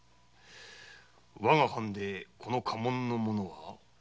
我が藩でこの家紋の者は？